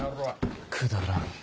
くだらん。